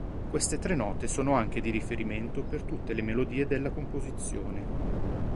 Queste tre note sono anche di riferimento per tutte le melodie della composizione.